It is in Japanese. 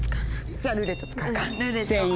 じゃあルーレット使うか全員。